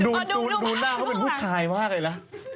ดูหน้าเขาเป็นผู้ชายมากเลยนะ